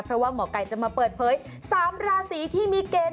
เพราะว่าหมอไก่จะมาเปิดเผย๓ราศีที่มีเกณฑ์